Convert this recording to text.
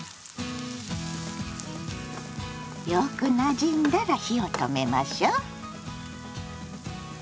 よくなじんだら火を止めましょう。